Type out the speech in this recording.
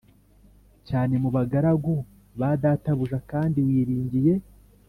cyane mu bagaragu ba databuja Kandi wiringiye